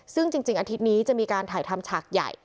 ซึ่งจริงอาทิตย์นี้จะมีการถ่ายทำฉากใหญ่